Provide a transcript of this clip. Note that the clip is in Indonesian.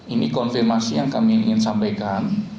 ini konfirmasi yang kami ingin sampaikan